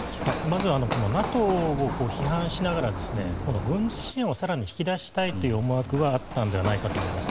まずはＮＡＴＯを批判しながら、今度は軍事支援を更に引き出したいという思惑があったんだと思います。